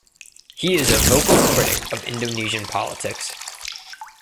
He is a vocal critic of Indonesian politics.